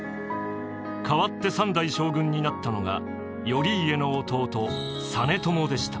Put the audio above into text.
代わって三代将軍になったのが頼家の弟実朝でした。